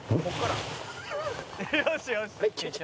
「よしよし！」